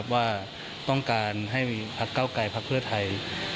ว่าต้องการให้พักเก้าไกลพักเพื่อไทย